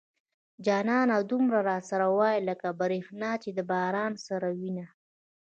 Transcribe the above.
جانانه دومره را سره واي لکه بريښنا چې د بارانه سره وينه